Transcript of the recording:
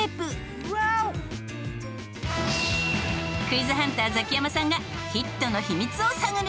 クイズハンターザキヤマさんがヒットの秘密を探る。